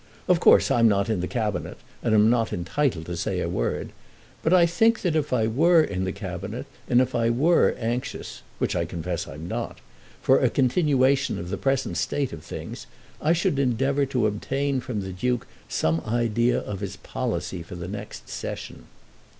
"Of course, I'm not in the Cabinet, and am not entitled to say a word; but I think that if I were in the Cabinet, and if I were anxious, which I confess I'm not, for a continuation of the present state of things, I should endeavour to obtain from the Duke some idea of his policy for the next Session."